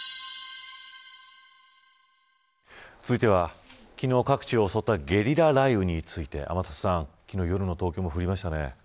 続いては、昨日各地を襲ったゲリラ雷雨について天達さん、昨日夜の東京も降りましたね。